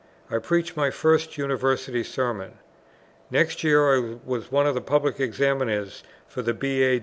I preached my first University Sermon. Next year I was one of the Public Examiners for the B.A.